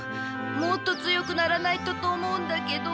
もっと強くならないとと思うんだけど。